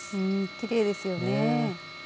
きれいですよね。ね。